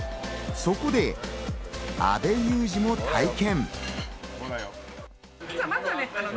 そこで阿部祐二も体験。